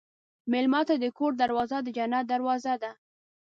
مېلمه ته د کور دروازه د جنت دروازه ده.